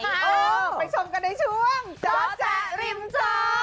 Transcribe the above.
ไปชมกันในช่วงจอแจริมจอ